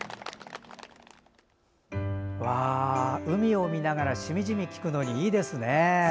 海を見ながらしみじみ聴くのにいいですね。